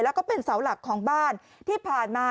แล้วก็เป็นเสาหลักของบ้านที่ผ่านมา